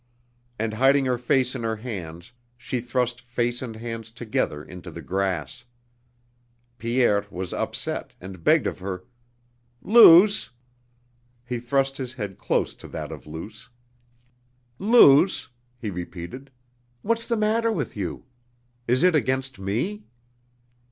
And hiding her face in her hands she thrust face and hands together into the grass. Pierre was upset and begged of her: "Luce!..." He thrust his head close to that of Luce. "Luce," he repeated, "what's the matter with you? Is it against me?"